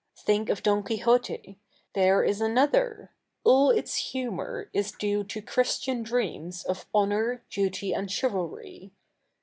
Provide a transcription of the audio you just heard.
Think of Do?i Quixote — the7'e is a?iother All its humour is diie to Christian dreams of honour, duty a?id chivalry.